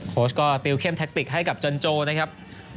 โค้ชก็ติวเข้มแท็กติกให้กับจันโจนะครับ